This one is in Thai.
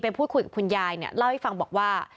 ไปพูดคุยกับคุณยายเล่าให้ฟังบอกว่า